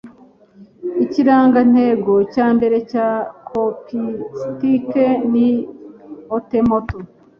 Ikirangantego cyambere cya chopsticks ni Otemoto.